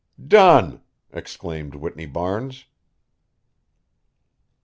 "Done!" exclaimed Whitney Barnes.